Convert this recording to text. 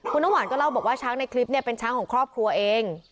คุณน้ำหวานก็เล่าบอกว่าช้างในคลิปเนี่ยเป็นช้างของครอบครัวเอง